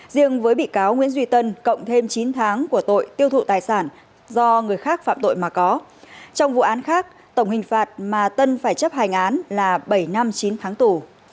riêng với bị cáo nguyễn duy tân cộng thêm chín tháng của tội tiêu thụ tài sản do người khác phạm tội mà có trong vụ án khác tổng hình phạt mà tân phải chấp hành án là bảy năm chín tháng tù